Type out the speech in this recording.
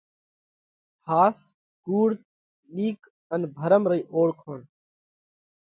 ۿاس ڪُوڙ، ٻِيڪ ان ڀرم رئِي اوۯکوڻ :